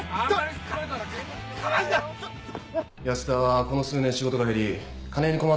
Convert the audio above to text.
安田はこの数年仕事が減り金に困っていたようです。